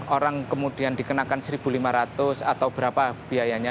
orang kemudian dikenakan satu lima ratus atau berapa biayanya